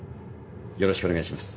よろしくお願いします。